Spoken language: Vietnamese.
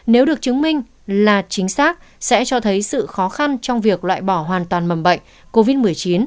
nếu được chứng minh là chính xác sẽ cho thấy sự khó khăn trong việc loại bỏ hoàn toàn mầm bệnh covid một mươi chín